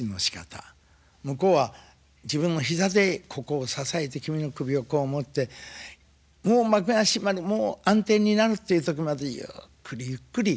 向こうは自分も膝でここを支えて君の首をこう持ってもう幕が閉まるもう暗転になるっていうとこまでゆっくりゆっくり。